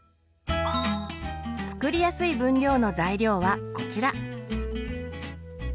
作りやすい分量の材料はこちら。